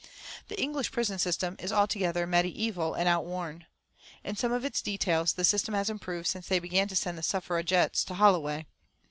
The English prison system is altogether mediæval and outworn. In some of its details the system has improved since they began to send the Suffragettes to Holloway.